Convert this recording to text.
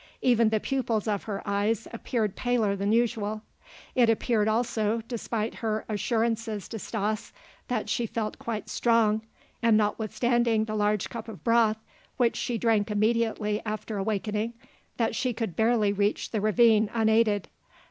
Even the pupils of her eyes appeared paler than usual. It appeared also, despite her assurances to Stas that she felt quite strong and notwithstanding the large cup of broth which she drank immediately after awakening, that she could barely reach the ravine unaided.